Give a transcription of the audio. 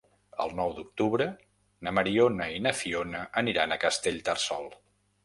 El nou d'octubre na Mariona i na Fiona aniran a Castellterçol.